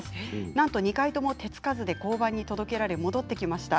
なんと２回とも手付かずで交番に届けられ戻ってきました。